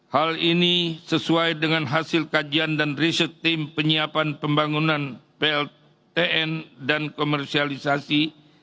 hal ini sesuai dengan hasil kajian dan riset tim penyiapan pembangunan pltn dan komersialisasi